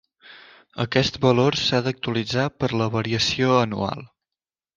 Aquest valor s'ha d'actualitzar per la variació anual.